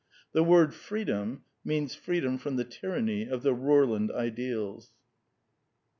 The word Freedom means freedom from the tyranny of the Rorlund ideals.